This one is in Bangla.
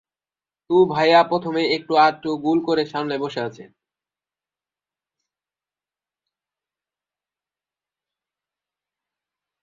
তু-ভায়া প্রথমে একটু আধটু গোল করে সামলে বসে আছেন।